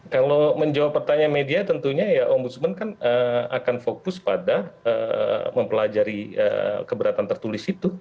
kalau menjawab pertanyaan media tentunya om busman akan fokus pada mempelajari keberatan tertulis itu